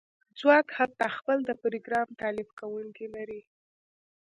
ځواک حتی خپل د پروګرام تالیف کونکی لري